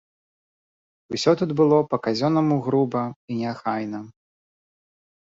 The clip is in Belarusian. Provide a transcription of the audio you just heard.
Усё тут было па-казённаму груба і неахайна.